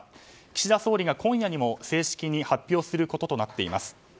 岸田総理が今夜にも正式に発表することになっています。